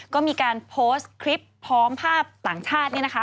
ก็มีการโพสต์คลิปพร้อมภาพต่างชาติเนี่ยนะคะ